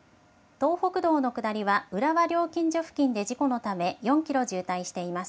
東北道の下りは、浦和料金所付近で事故のため４キロ渋滞しています。